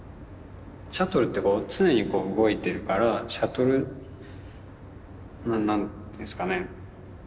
シャトルってこう常に動いてるからシャトル何ていうんですかね